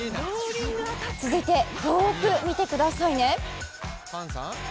続いて、よく見てくださいね。